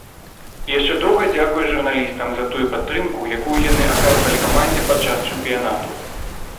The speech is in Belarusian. І яшчэ доўга дзякуе журналістам за тую падтрымку, якую яны аказвалі камандзе падчас чэмпіянату.